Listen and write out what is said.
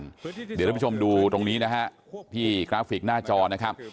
เดี๋ยวท่านผู้ชมดูตรงนี้นะฮะที่กราฟิกหน้าจอนะครับ